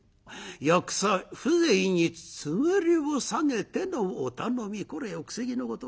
役者風情に頭を下げてのお頼みこれよくせきのこと。